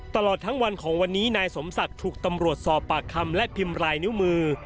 ตลอดทั้งวันของวันนี้นายสมศักดิ์ถูกตำรวจสอบปากคำและพิมพ์ลายนิ้วมือ